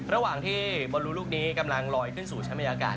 ระหว่างที่บอลลูลูกนี้กำลังลอยขึ้นสู่ชั้นบรรยากาศ